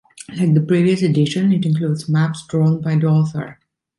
Like the previous edition, it includes maps drawn by the author.